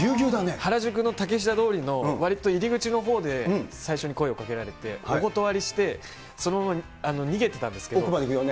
原宿の竹下通りのわりと入り口のほうで最初に声をかけられて、お断りして、そのまま逃げてたん奥まで行くよね。